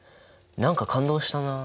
何か感動したな。